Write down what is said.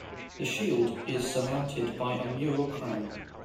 The shield is surmounted by a mural crown.